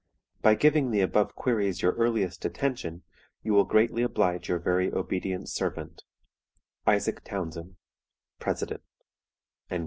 "By giving the above queries your earliest attention, you will greatly oblige your very obedient servant, "ISAAC TOWNSEND, President."